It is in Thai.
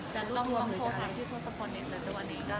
เดี๋ยวทำพิโศคลอดอีกหนึ่งก่อน